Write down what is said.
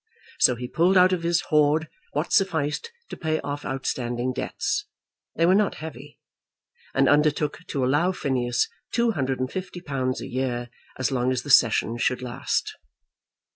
So he pulled out of his hoard what sufficed to pay off outstanding debts, they were not heavy, and undertook to allow Phineas two hundred and fifty pounds a year as long as the session should last.